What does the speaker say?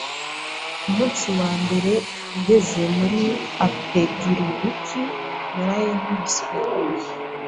Umunsi wa mbere ngeze muri APEGIRUBUKI naraye nkubiswe…